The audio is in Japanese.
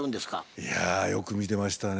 いやよく見てましたね。